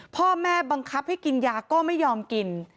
พ่อแม่บังคับให้กินยาก็ไม่ยอมกิน